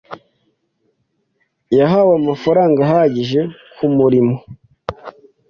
Yahawe amafaranga ahagije kumurimo.